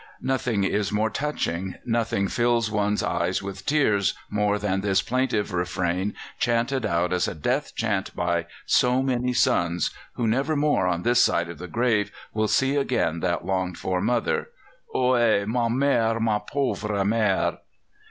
Nothing is more touching, nothing fills one's eyes with tears more, than this plaintive refrain chanted out as a death chant by so many sons who never more on this side the grave will see again that longed for mother 'Ohé! ma mère, ma pauvre mère!